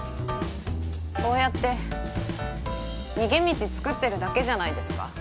そうやって逃げ道作ってるだけじゃないですか？